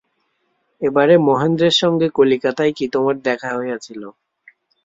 এবারে মহেন্দ্রের সঙ্গে কলিকাতায় কি তোমার দেখা হইয়াছিল।